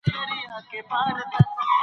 سپین وریښتان طبیعي تحول دی.